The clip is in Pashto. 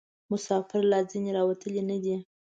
مسافر لا ځني راوتلي نه دي.